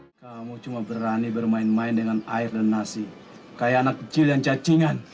hai kamu cuma berani bermain main dengan air dan nasi kayak anak kecil yang cacingan